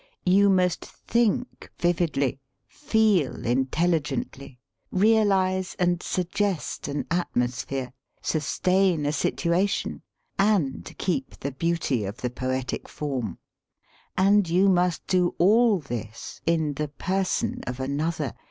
You must think vividly, feel intelli^ gently; realize and suggest an atmosphere; sustain a situation ; and keep the beauty of the poetic form. And you must do all this in the per son of another.